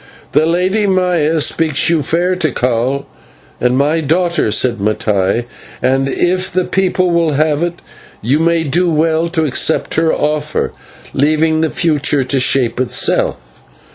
"The Lady Maya speaks you fair, Tikal, and my daughter," said Mattai, "and if the people will have it, you may do well to accept her offer, leaving the future to shape itself.